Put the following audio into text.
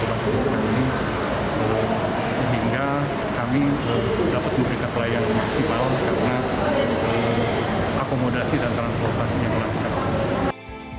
sehingga kami dapat memberikan pelayanan maksimal karena akomodasi dan transportasinya melancarkan